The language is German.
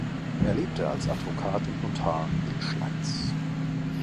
Er lebte als Advokat und Notar in Schleiz.